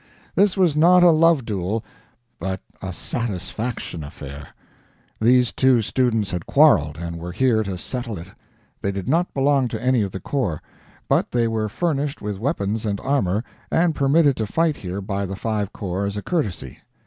This was not a love duel, but a "satisfaction" affair. These two students had quarreled, and were here to settle it. They did not belong to any of the corps, but they were furnished with weapons and armor, and permitted to fight here by the five corps as a courtesy.